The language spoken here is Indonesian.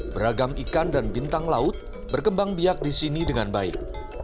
beragam ikan dan bintang laut berkembang biak di sini dengan baik